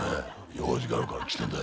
用事があるから来てんだよ。